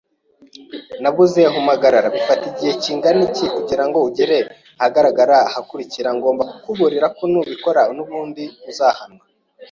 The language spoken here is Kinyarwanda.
Nabuze aho mpagarara. Bifata igihe kingana iki kugirango ugere ahagarara ahakurikira? Ngomba kukuburira ko nubikora nubundi uzahanwa.